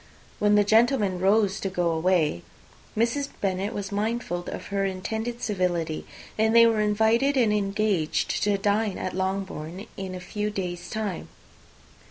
When the gentlemen rose to go away, Mrs. Bennet was mindful of her intended civility, and they were invited and engaged to dine at Longbourn in a few days' time.